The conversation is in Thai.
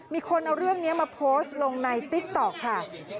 มีคนเอาเรื่องนี้มาโพสต์ลงในติ๊กต๊อกค่ะ